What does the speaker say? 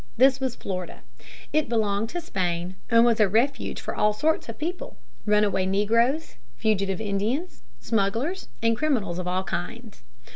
This was Florida. It belonged to Spain and was a refuge for all sorts of people: runaway negroes, fugitive Indians, smugglers, and criminals of all kinds.